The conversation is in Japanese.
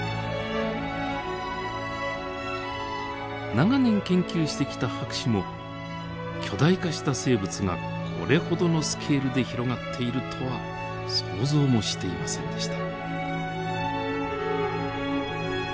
長年研究してきた博士も巨大化した生物がこれほどのスケールで広がっているとは想像もしていませんでした。